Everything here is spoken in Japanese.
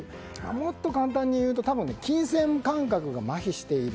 もっと簡単にいうと金銭感覚がまひしている。